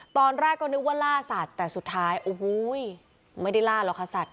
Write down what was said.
ตอนแรกก็นึกว่าล่าสัตว์แต่สุดท้ายโอ้โหไม่ได้ล่าหรอกค่ะสัตว